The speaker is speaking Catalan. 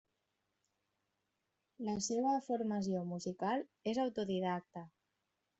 La seva formació musical és autodidacta.